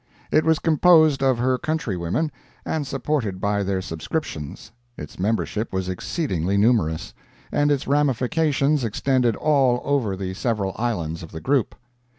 It was composed of her countrywomen, and supported by their subscriptions; its membership was exceedingly numerous, and its ramifications extended all over the several islands of the group.